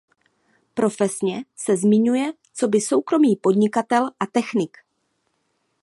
Profesně se zmiňuje coby soukromý podnikatel a technik.